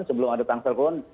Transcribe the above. sebelum ada tangsel pun